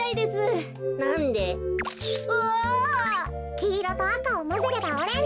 きいろとあかをまぜればオレンジよ。